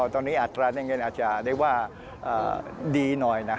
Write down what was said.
ตอนนี้อัตราในเงินอาจจะได้ว่าดีหน่อย